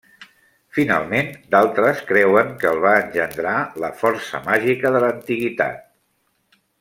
Finalment, d'altres creuen que el va engendrar la força màgica de l'antiguitat.